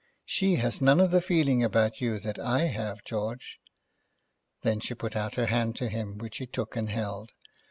She has none of the feeling about you that I have, George." Then she put out her hand to him, which he took and held.